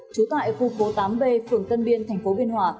trú tại khu phố tám b phường tân biên thành phố biên hòa